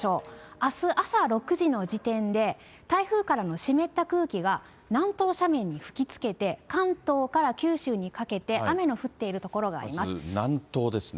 あす朝６時の時点で、台風からの湿った空気が南東斜面に吹きつけて、関東から九州にかけて雨の降っている所があります。